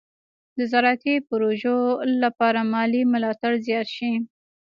د زراعتي پروژو لپاره مالي ملاتړ زیات شي.